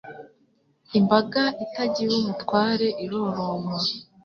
Imbaga itagira umutware irorama